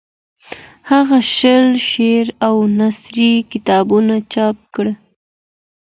هغه شل شعري او نثري کتابونه چاپ کړي.